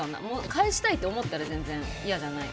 返したいと思ったら全然嫌じゃない。